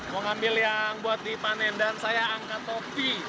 mau ngambil yang buat dipanen dan saya angkat topi